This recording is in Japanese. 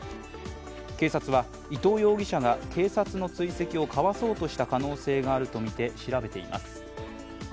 警察は伊藤容疑者が警察の追跡をかわそうとした可能性があるとみて調べています。